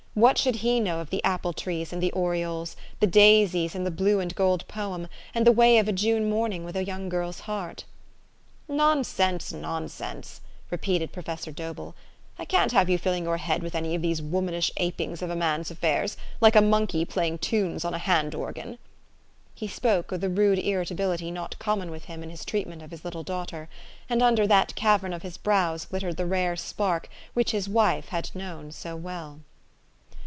"What should he know of the apple trees and the orioles, the daisies, and the blue and gold poem, and the way of a June morning with a young girl's heart? " Nonsense, nonsense! " repeated Professor Do bell. " I can't have you filling your head with any of these womanish apings of a man's affairs, like a monkey playing tunes on a hand organ." He spoke with a rude irritability not common with him in his treatment of his little daughter ; and under that cavern of his brows glittered the rare spark which his wife had known so well.